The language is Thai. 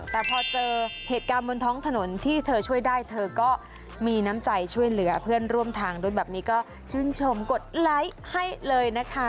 แต่พอเจอเหตุการณ์บนท้องถนนที่เธอช่วยได้เธอก็มีน้ำใจช่วยเหลือเพื่อนร่วมทางด้วยแบบนี้ก็ชื่นชมกดไลค์ให้เลยนะคะ